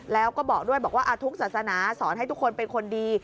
แล้วก็บอกด้วยบอกว่าทุกศาสนาสอนให้ทุกคนเป็นคนดี